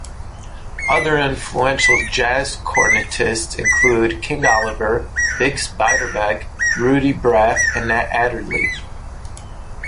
Other influential jazz cornetists include King Oliver, Bix Beiderbecke, Ruby Braff and Nat Adderley.